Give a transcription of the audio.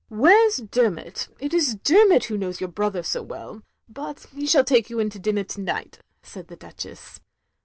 "Where 's Dermot; it is Dermot who knows your brother so well; but he shall take you in to dinner to night, " said the Duchess.